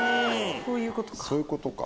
そういうことか。